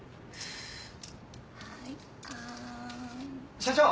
・社長！